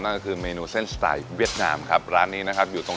นั่นก็คือเมนูเส้นสไตล์เวียดนามครับร้านนี้นะครับอยู่ตรง